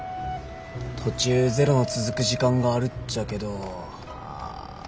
途中０の続く時間があるっちゃけどああほら。